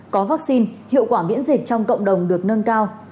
có vaccine hiệu quả miễn dịch trong cộng đồng được nâng cao